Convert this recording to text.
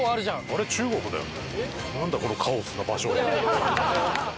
あれ中国だよね？